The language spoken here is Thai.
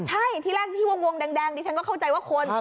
ใช่ที่แรกที่วงแดงดิฉันก็เข้าใจว่าคน